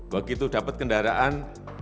begitu dapat kendaraan